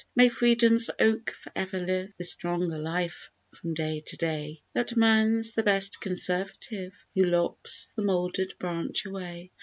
May Freedom's oak for ever live With stronger life from day to day; That man's the best Conservative Who lops the mouldered branch away.